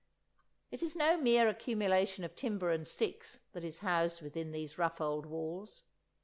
It is no mere accumulation of timber and sticks that is housed within these rough old walls.